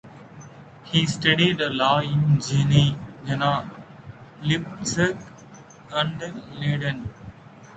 He studied law in Jena, Leipzig, and Leyden.